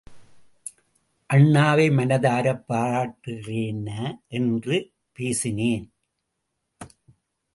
அண்ணாவை மனதாரப் பாராட்டுகிறேன, என்று பேசினேன்.